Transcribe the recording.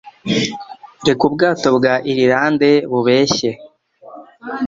Reka ubwato bwa Irilande bubeshye